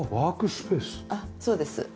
あっそうです。